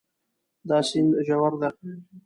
دا سیند ژور ده